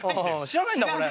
知らないんだこれ。